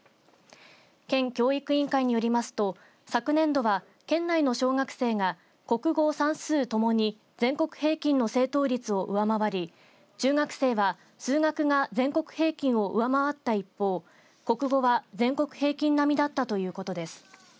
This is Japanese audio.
県教育委員会によりますと昨年度は県内の小学生が国語、算数ともに全国平均の正答率を上回り中学生は数学が全国平均を上回った一方国語は、全国平均並みだったということです。